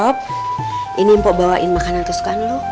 rob ini mpok bawain makanan kesukaan lo